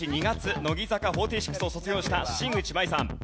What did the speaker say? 乃木坂４６を卒業した新内眞衣さん。